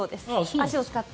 足を使って。